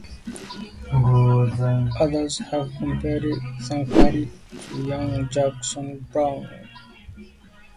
Others have compared Thudpucker to a young Jackson Browne.